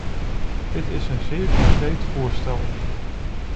Dit is een zeer concreet voorstel.